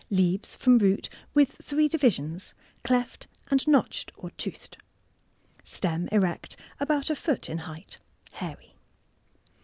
Leaves from root— with three divisions cleft and notched or toothed. Stem erect— about a foot in height— hairy.